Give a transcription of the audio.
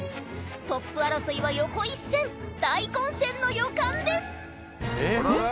トップ争いは横一線大混戦の予感ですん？